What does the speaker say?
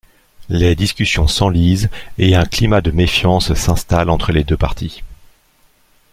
Les discussions s'enlisent et un climat de méfiance s'installe entre les deux parties.